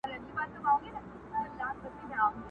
د غوښتو دارو، ورکړه دي.